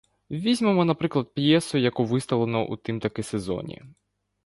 Візьмемо, наприклад, п'єсу, яку виставлено у тим-таки сезоні.